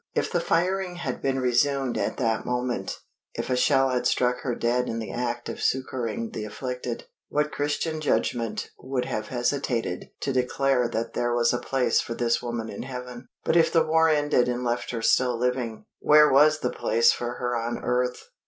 If the firing had been resumed at that moment if a shell had struck her dead in the act of succoring the afflicted, what Christian judgment would have hesitated to declare that there was a place for this woman in heaven? But if the war ended and left her still living, where was the place for her on earth?